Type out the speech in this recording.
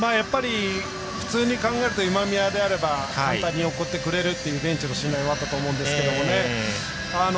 普通に考えると今宮であれば簡単に送ってくれるという信頼はあったと思うんですが。